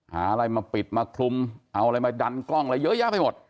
อะไรมาปิดมาคลุมเอาอะไรมาดันกล้องอะไรเยอะแยะไปหมด